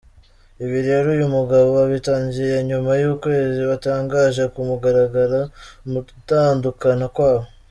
ibi rero uyu mugabo abitangiye nyuma y’ukwezi batangaje kumugaragaro gutandukana kwabo.